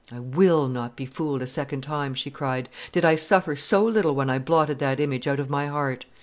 "I will not be fooled a second time," she cried. "Did I suffer so little when I blotted that image out of my heart?